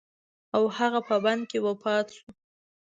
او هغه په بند کې وفات شو.